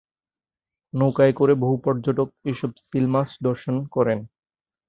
নৌকায় করে বহু পর্যটক এসব সীল মাছ দর্শন করেন।